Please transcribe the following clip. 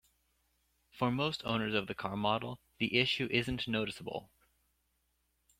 For most owners of the car model, the issue isn't noticeable.